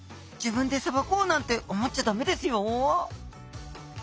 自分でさばこうなんて思っちゃダメですよ！